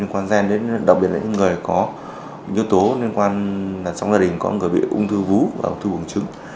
liên quan đến gen đặc biệt là những người có yếu tố liên quan trong gia đình có người bị ung thư vú và thư buồng trứng